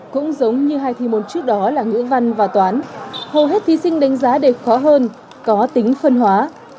cũng giống như hai thi môn trước đó là ngữ văn và toán hầu hết thí sinh đánh giá đều khó hơn có tính phân hóa